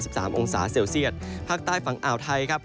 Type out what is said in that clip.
นอกจากนี้เองนะครับในบริเวณพื้นที่ที่อยู่ตามเขานะครับ